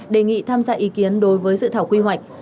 đề nghị tham gia ý kiến đối với dự thảo quy hoạch